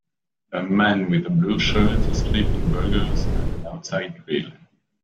a man with a blue shirt is flipping burgers at an outside grill.